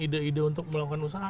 ide ide untuk melakukan usaha